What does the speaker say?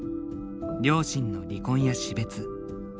両親の離婚や死別。